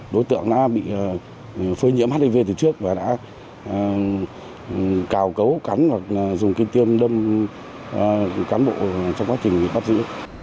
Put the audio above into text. đối tượng đã bị phơi nhiễm hiv từ trước và đã cào cấu cắn hoặc là dùng kim tiêm đâm cán bộ trong quá trình bắt giữ